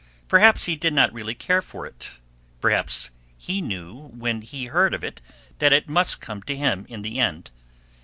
Perhaps he did not really care for it perhaps he knew when he heard of it that it must come to him in the end.